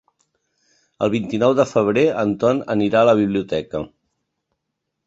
El vint-i-nou de febrer en Ton anirà a la biblioteca.